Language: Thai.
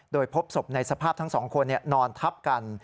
โดยพบศพในสภาพทั้งสองคนนอนทับกัน